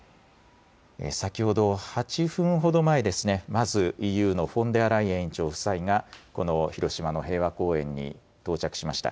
先ほど８分ほど前ですね、まず、ＥＵのフォンデアライエン委員長夫妻がこの広島の平和公園に到着しました。